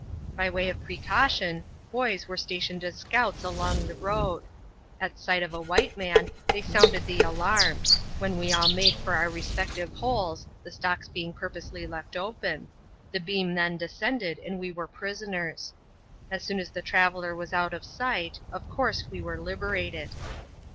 By way of precaution, boys were sta« tioned as scouts along the road. At sight of a white man, they sounded the alarm ; when we all made for our respective holes (the stocks being purposely left open) : the beam then descended, and we were prisoners. As soon as the traveller was out of sight, of course we were liberated.